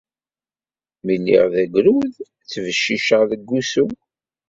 Mi lliɣ d agrud, ttebciceɣ deg usu.